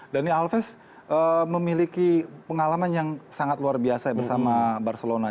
dan ini alves memiliki pengalaman yang sangat luar biasa bersama barcelona